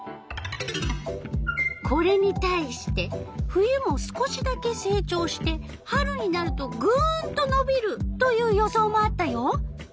これに対して冬も少しだけ成長して春になるとぐんとのびるという予想もあったよ。